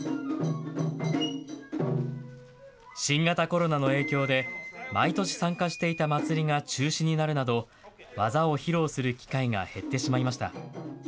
新型コロナの影響で、毎年参加していた祭りが中止になるなど、技を披露する機会が減ってしまいました。